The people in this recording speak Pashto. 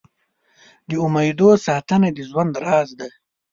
د امېدو ساتنه د ژوند راز دی.